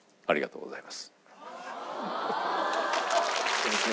ありがとうございます。